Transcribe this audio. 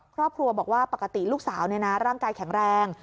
ครอบครัวบอกว่าปกติลูกสาวร่างกายแข็งแรง